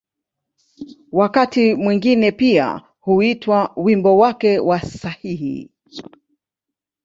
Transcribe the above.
Wakati mwingine pia huitwa ‘’wimbo wake wa sahihi’’.